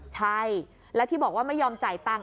ใช่แล้วที่บอกว่าไม่ยอมจ่ายตังค์